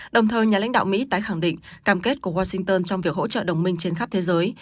đồng thời nhà lãnh đạo mỹ tái khẳng định cam kết của washington trong việc hỗ trợ đồng minh trên khắp thế giới